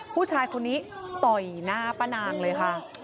ผู้ชายคนนี้ต่อยหน้าป้านางเลยค่ะ